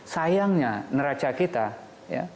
sayangnya neraca kita ya